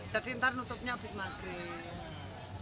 jadi ntar nutupnya abis maghrib